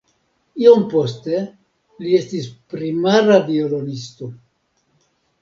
Iom poste li estis primara violonisto.